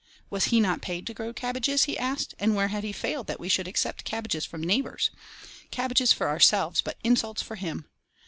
Was he not paid to grow cabbages, he asked, and where had he failed that we should accept cabbages from neighbours? Cabbages for ourselves, but insults for him!